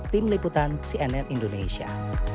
tim liputan cnn indonesia